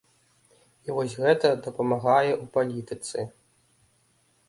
І вось гэта дапамагае ў палітыцы.